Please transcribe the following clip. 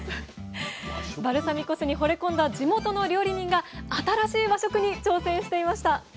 バルサミコ酢にほれ込んだ地元の料理人が新しい和食に挑戦していました。